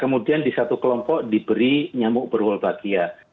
kemudian di satu kelompok diberi nyamuk berbalbagia